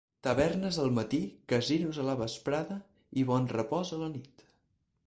Tavernes al matí, Casinos a la vesprada i Bonrepòs a la nit.